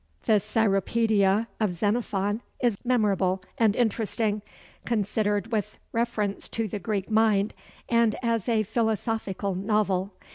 The Cyropædia of Xenophon is memorable and interesting, considered with reference to the Greek mind, and as a philosophical novel.